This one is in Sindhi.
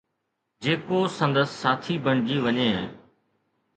جيڪو سندس ساٿي بڻجي وڃي